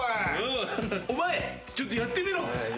お前ちょっとやってみろ。